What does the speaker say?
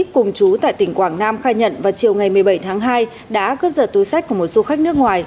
cùng chú tại tỉnh quảng nam khai nhận vào chiều ngày một mươi bảy tháng hai đã cướp giật túi sách của một du khách nước ngoài